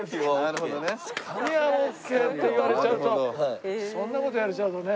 つかみはオーケーって言われちゃうとそんな事言われちゃうとね。